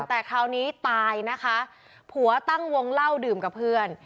แต่คราวนี้ตายนะคะผัวตั้งวงเล่าดื่มกับเพื่อน